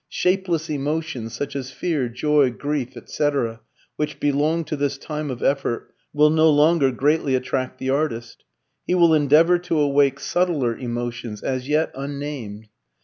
Shapeless emotions such as fear, joy, grief, etc., which belonged to this time of effort, will no longer greatly attract the artist. He will endeavour to awake subtler emotions, as yet unnamed.